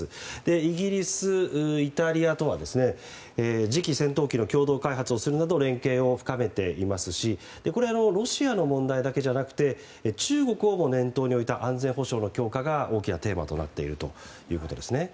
イギリス、イタリアとは次期戦闘機の共同開発をするなど連携を深めていますしロシアの問題だけじゃなくて中国をも念頭に置いた安全保障の強化が大きなテーマとなっているということですね。